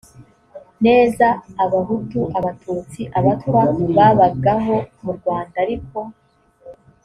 neza abahutu abatutsi abatwa babagaho mu rwanda ariko